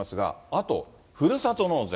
あと、ふるさと納税。